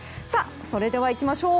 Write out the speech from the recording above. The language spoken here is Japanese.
それでは行きましょう。